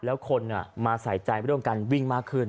แล้วคนอ่ะมาสนใจไปด้วยการวิ่งมากขึ้น